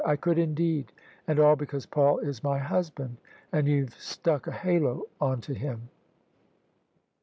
I could indeed. And all because Paul is my husband and youVe stuck a halo on to him."